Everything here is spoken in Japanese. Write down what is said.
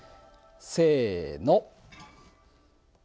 せの。